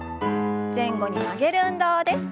前後に曲げる運動です。